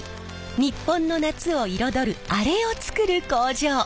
日本の夏を彩るアレを作る工場。